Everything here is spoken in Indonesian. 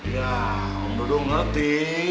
ya om dudung ngerti